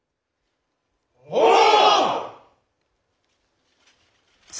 おう！